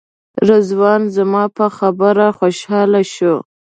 رضوان زما په خبره خوشاله شو.